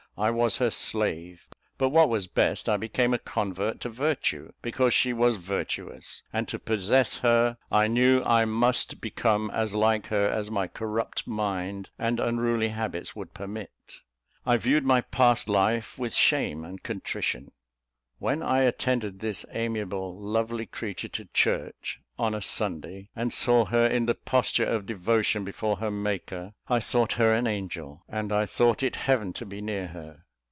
I was her slave: but what was best, I became a convert to virtue, because she was virtuous; and to possess her, I knew I must become as like her as my corrupt mind and unruly habits would permit. I viewed my past life with shame and contrition. When I attended this amiable, lovely creature to church on a Sunday, and saw her in the posture of devotion before her Maker, I thought her an angel, and I thought it heaven to be near her.